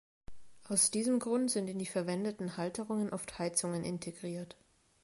Aus diesem Grund sind in die verwendeten Halterungen oft Heizungen integriert.